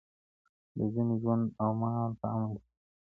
د ذمي ژوند او مال په امن کي دی.